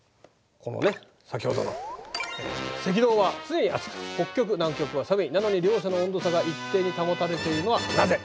このね先ほどの「赤道は常に暑く北極・南極は寒いなのに両者の温度差が一定に保たれているのはなぜ？」